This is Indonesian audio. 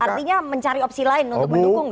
artinya mencari opsi lain untuk mendukung